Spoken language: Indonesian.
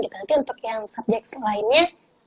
nanti untuk yang subjek lainnya